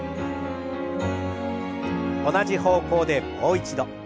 同じ方向でもう一度。